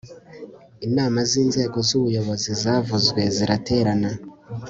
inama z'inzego z'ubuyobozi zavuzwe ziraterana